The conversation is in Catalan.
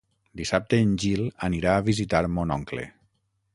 Dissabte en Gil anirà a visitar mon oncle.